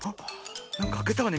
なんかあけたわね